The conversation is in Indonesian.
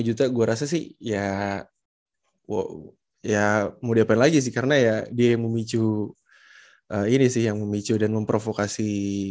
dua puluh lima juta gue rasa sih ya ya mau diapain lagi sih karena ya dia yang memicu ini sih yang memicu dan memprovokasi